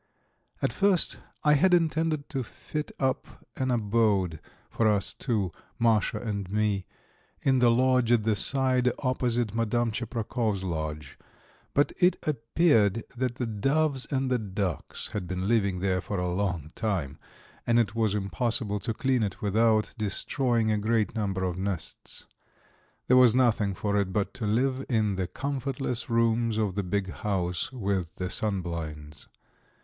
At first I had intended to fit up an abode for us two, Masha and me, in the lodge at the side opposite Madame Tcheprakov's lodge, but it appeared that the doves and the ducks had been living there for a long time, and it was impossible to clean it without destroying a great number of nests. There was nothing for it but to live in the comfortless rooms of the big house with the sunblinds.